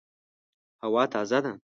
هوا تازه ده